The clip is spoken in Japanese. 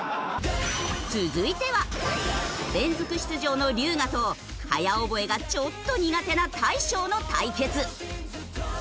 続いては連続出場の龍我と早覚えがちょっと苦手な大昇の対決。